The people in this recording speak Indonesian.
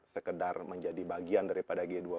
sekedar menjadi bagian daripada g dua puluh